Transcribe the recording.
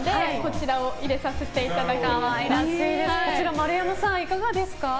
丸山さん、いかがですか？